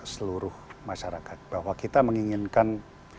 seluruh masyarakat bahwa kita menginginkan